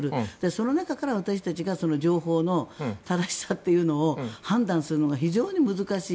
その中から私たちが情報の正しさっていうのを判断するのが非常に難しい。